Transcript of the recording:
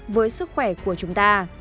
với sức khỏe của chúng ta